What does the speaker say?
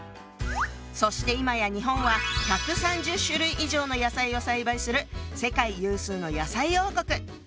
そしていまや日本は１３０種類以上の野菜を栽培する世界有数の野菜王国！